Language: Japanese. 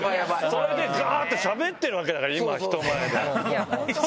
それでがーっとしゃべってるわけだから、今、人前で。